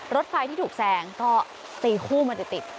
รถไฟที่ถูกแซงก็ตีคู่มาติด